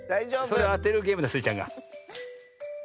それをあてるゲームだスイちゃんが。